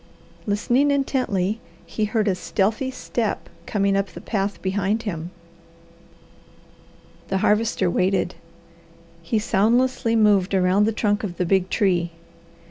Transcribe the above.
Listening intently, he heard a stealthy step coming up the path behind him. The Harvester waited. He soundlessly moved around the trunk of the big tree.